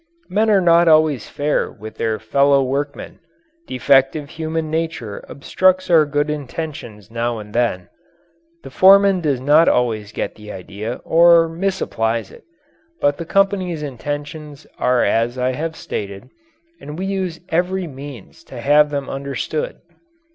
Men are not always fair with their fellow workmen. Defective human nature obstructs our good intentions now and then. The foreman does not always get the idea, or misapplies it but the company's intentions are as I have stated, and we use every means to have them understood.